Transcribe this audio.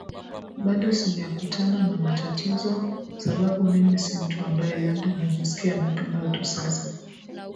bado sijakutana na matatizo sababu mimi si mtu ambaye labda najisikia Napenda watu Sasa